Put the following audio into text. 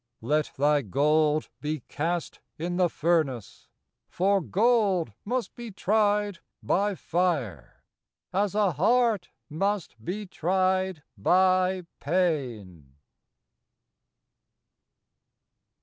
Let thy gold be cast in the furnace. For gold must be tried by fire, As a heart must be tried by pain!